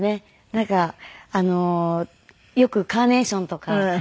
なんかよくカーネーションとか。